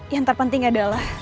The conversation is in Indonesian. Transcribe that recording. yang terpenting adalah